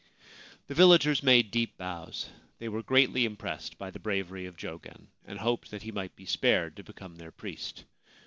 The villagers made deep bows. They were greatly impressed by the bravery of Jogen, and hoped that he might be spared to become their priest.